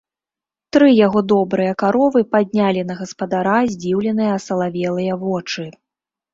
Тры яго добрыя каровы паднялі на гаспадара здзіўленыя асалавелыя вочы.